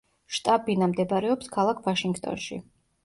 შტაბ-ბინა მდებარეობს ქალაქ ვაშინგტონში.